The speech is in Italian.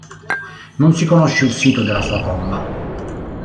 Non si conosce il sito della sua tomba.